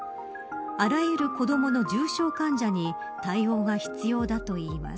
あらゆる子どもの重症患者に対応が必要だといいます。